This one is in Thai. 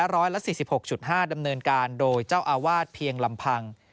ร้อยละ๔๖๕ดำเนินการโดยเจ้าอาวาสเพียงลำพัง